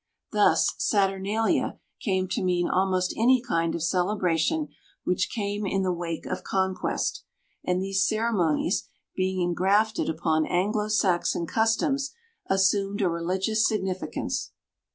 Thus Saturnalia came to mean almost any kind of celebration which came in the wake of conquest, and these ceremonies being engrafted upon Anglo Saxon customs assumed a religious significance.